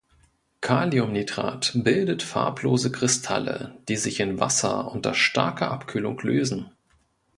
Kaliumnitrat bildet farblose Kristalle, die sich in Wasser unter starker Abkühlung lösen.